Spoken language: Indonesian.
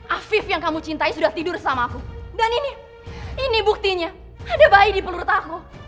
afif yang kamu cintai sudah tidur sama aku dan ini ini buktinya ada bayi di peluru aku